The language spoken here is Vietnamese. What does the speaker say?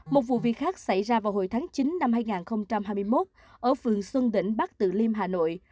một vụ việc khác xảy ra vào hồi tháng chín năm hai nghìn hai mươi một ở phường xuân đỉnh bắc từ liêm hà nội